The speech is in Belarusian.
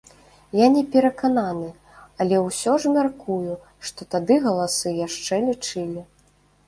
Я не перакананы, але ўсё ж мяркую, што тады галасы яшчэ лічылі.